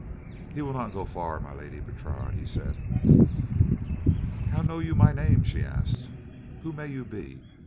"He will not go far, My Lady Bertrade," he said. "How know you my name?" she asked. "Who may you be?